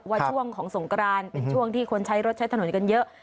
ว่าช่วงของสงกรานเป็นช่วงที่คนใช้รถใช้ถนนกันเยอะ